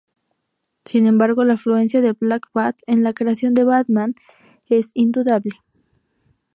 Sin embargo, la influencia de Black Bat en la creación de Batman es indudable.